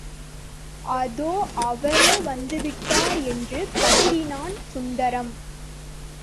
அதோ, அவரே வந்துவிட்டார் என்று கத்தினான் சுந்தரம்.